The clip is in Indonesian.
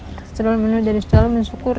kita selalu menurut dari selalu mensyukur